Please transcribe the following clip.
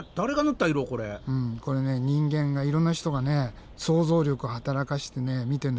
これね人間がいろんな人がね想像力を働かせてみてんだけどね